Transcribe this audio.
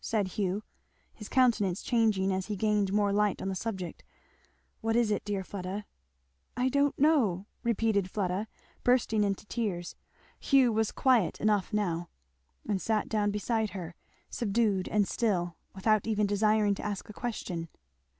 said Hugh, his countenance changing as he gained more light on the subject; "what is it, dear Fleda?" "I don't know," repeated Fleda, bursting into tears. Hugh was quiet enough now, and sat down beside her, subdued and still, without even desiring to ask a question.